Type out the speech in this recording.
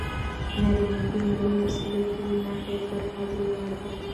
نارینه د مالي مسئولیت له مخې پر ښځو لوړ دی.